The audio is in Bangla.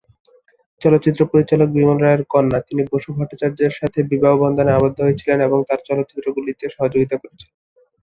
চলচ্চিত্র পরিচালক বিমল রায়ের কন্যা, তিনি বসু ভট্টাচার্যের সাথে বিবাহবন্ধনে আবদ্ধ হয়েছিলেন এবং তাঁর চলচ্চিত্রগুলিতে সহযোগিতা করেছিলেন।